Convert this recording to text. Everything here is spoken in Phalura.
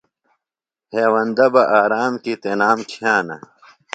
ہیوندہ بہ آرام کیۡ تنام کِھیانہ۔